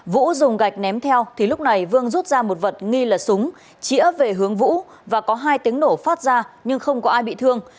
vũ dùng gạch ném theo thì lúc này vương rút ra một vật nghi là súng chĩa về hướng vũ và có hai tiếng nổ phát ra nhưng không có ai bị thương